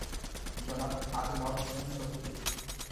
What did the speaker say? জনাব আজমল হোসেন চৌধুরী।